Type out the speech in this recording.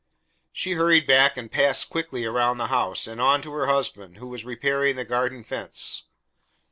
She hurried back and passed quickly around the house, and on to her husband, who was repairing the garden fence.